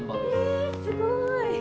えすごい！